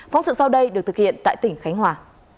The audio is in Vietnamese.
phóng sự sau đây được thực hiện tại tỉnh khánh hòa